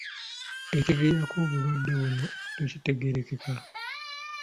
Ekiviirako obulwadde buno tekitegeerekeka